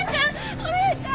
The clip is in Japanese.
お姉ちゃん！